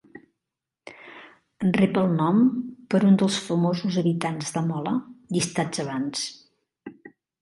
Rep el nom per un dels famosos habitants de Mola llistats abans.